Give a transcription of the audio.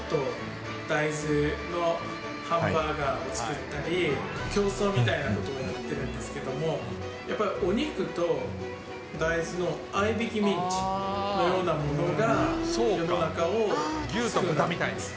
大豆のハンバーガーを作ったり、競争みたいなことをやってるんですけども、やっぱりお肉と大豆の合いびきミンチのようなものが、世の中を救うんだと思うんです。